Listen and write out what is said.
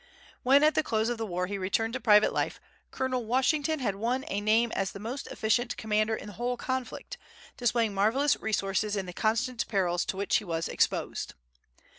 When at the close of the war he returned to private life, Colonel Washington had won a name as the most efficient commander in the whole conflict, displaying marvellous resources in the constant perils to which he was exposed.